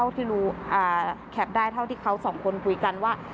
ที่รู้ถูกคุยกันว่า